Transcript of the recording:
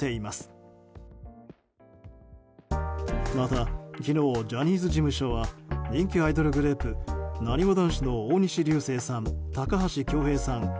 また、昨日ジャニーズ事務所は人気アイドルグループなにわ男子の大西流星さん